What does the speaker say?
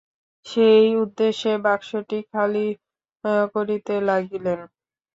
সেই উদ্দেশে বাক্সটি খালি করিতে লাগিলেন।